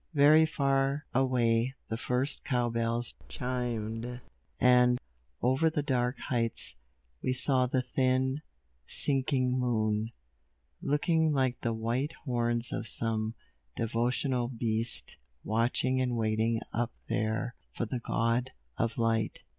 Very far away the first cowbells chimed; and, over the dark heights, we saw the thin, sinking moon, looking like the white horns of some devotional beast watching and waiting up there for the god of light.